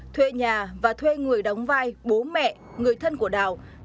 thuê nhà và thuê người đóng vai bố mẹ người thân của đào